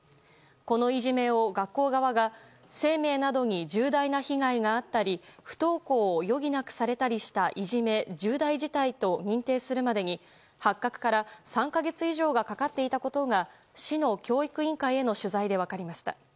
このいじめを、学校側が生命などに重大な被害があったり不登校を余儀なくされたりしたいじめ、重大事態と認定するまでに、発覚から３か月以上がかかっていたことが市の教育委員会への取材で分かりました。